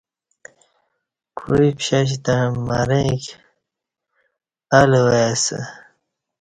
کوعی پشش تں مرݩیک الہ وے سہ